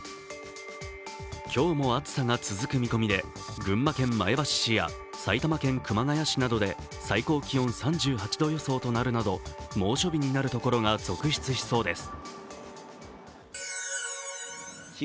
今日も暑さが続く見込みで群馬県前橋市や埼玉県熊谷市などで最高気温３８度予想となるなど猛暑日になるところが続出しそうです。